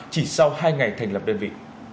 chỉ sau hai ngày thành lập đơn vị